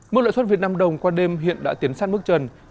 mức lãi suất việt nam đồng qua đêm hiện đã tiến sát mức trần